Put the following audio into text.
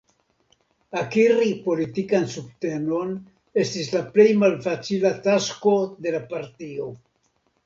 Akiri politikan subtenon estis la plej malfacila tasko de la partio.